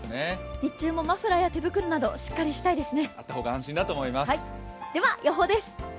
日中もマフラーや手袋などしっかりしたいですね。